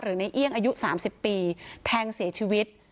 หรือในเอี่ยงอายุสามสิบปีแทงเสียชีวิต